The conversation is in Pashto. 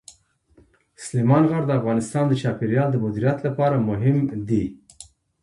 سلیمان غر د افغانستان د چاپیریال د مدیریت لپاره مهم دي.